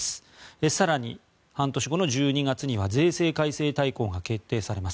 更に半年後の１２月には税制改正大綱が決定されます。